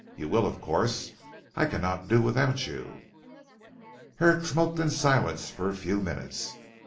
You will of course. I cannot do without you." Herrick smoked in silence for a few minutes.